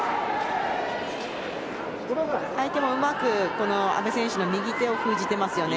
相手もうまく阿部選手の右手を封じてますね。